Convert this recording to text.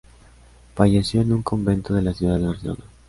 Falleció en su convento de la ciudad de Barcelona.